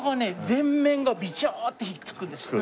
全面がビチャーッて引っ付くんです。